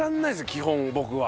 基本僕は。